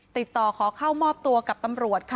ติดต่อขอเข้ามอบตัวกับตำรวจค่ะ